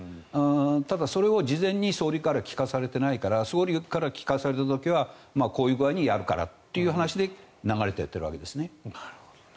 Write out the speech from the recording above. ただ、それを事前に総理から聞かされていないから総理から聞かされた時はこういう具合にやるからって流れていってるわけですね。